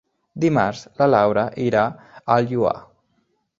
Dimarts na Laura irà al Lloar.